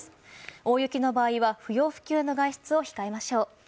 大雪の場合は、不要不急の外出を控えましょう。